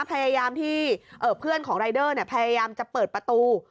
พยายามที่เพื่อนของรายเดอร์พยายามจะเปิดประตู